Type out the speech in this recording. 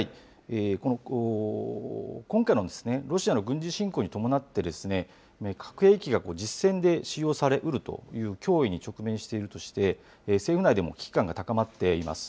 この今回のロシアの軍事侵攻に伴って、核兵器が実戦で使用されうるという脅威に直面しているとして、政府内でも危機感が高まっています。